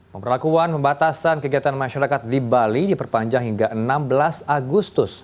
pemberlakuan pembatasan kegiatan masyarakat di bali diperpanjang hingga enam belas agustus